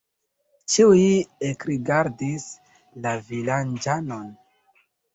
Ĉiuj ekrigardis la vilaĝanon.